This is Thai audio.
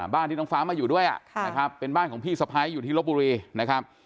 บ้านที่น้องฟ้ามาอยู่ด้วยนะครับเป็นบ้านของพี่สะพ้ายอยู่ที่ลบบุรีนะครับ